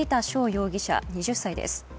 容疑者２０歳です。